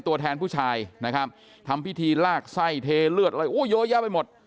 ตัวแทนผู้ชายนะครับทำพิธีลากไส้เทเลือดอะไรโอ้เยอะแยะไปหมด